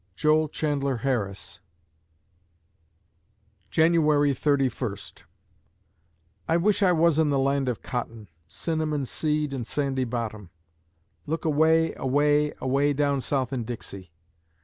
JOEL CHANDLER HARRIS January Thirty first I wish I was in the land of cotton, Cinnamon seed and sandy bottom; Look away, away, away down South in Dixie.